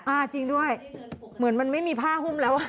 จริงด้วยเหมือนมันไม่มีผ้าหุ้มแล้ว